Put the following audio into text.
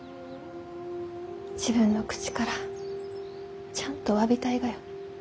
自分の口からちゃんとわびたいがよ。